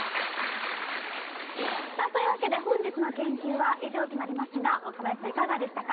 さあというわけで本日の研究は以上となりますが若林さんいかがでしたか？